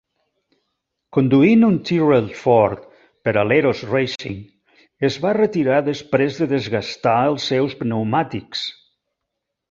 Conduint un Tyrrell-Ford per a l'Heros Racing, es va retirar després de desgastar els seus pneumàtics.